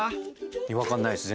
違和感ないです